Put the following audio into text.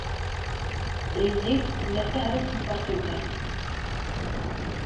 Brizil tella d tahrest n Purtugal.